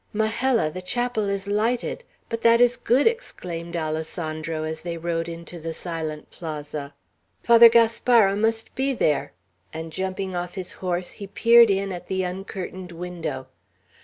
"Majella, the chapel is lighted; but that is good!" exclaimed Alessandro, as they rode into the silent plaza. "Father Gaspara must be there;" and jumping off his horse, he peered in at the uncurtained window.